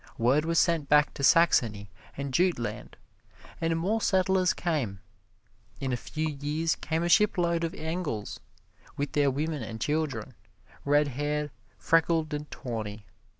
Word was sent back to Saxony and Jute Land and more settlers came. In a few years came a shipload of Engles, with their women and children, red haired, freckled, tawny.